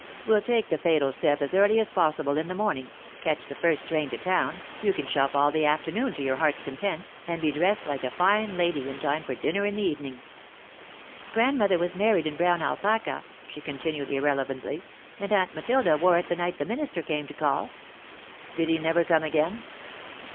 We'll take the fatal step as early as possible in the morning, catch the first train to town, you can shop all the afternoon to your heart's content, and be dressed like a fine lady in time for dinner in the evening." "Grandmother was married in brown alpaca," she continued, irrelevantly, "and Aunt Matilda wore it the night the minister came to call." "Did he never come again?"